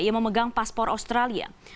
ia memegang paspor australia